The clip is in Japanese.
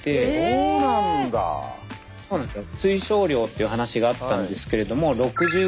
そうなんですよ。